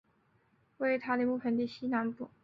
位于塔里木盆地西南部。